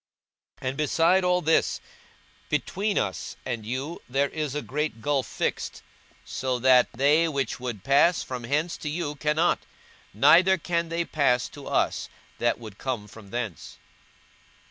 42:016:026 And beside all this, between us and you there is a great gulf fixed: so that they which would pass from hence to you cannot; neither can they pass to us, that would come from thence.